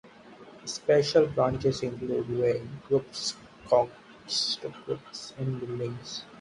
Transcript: Special branches include Weyl groups, Coxeter groups, and buildings.